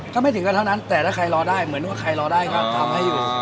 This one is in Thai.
ก็ไม่ถึงกันเท่านั้นแต่ถ้าใครรอได้เหมือนว่าใครรอได้ก็ทำให้อยู่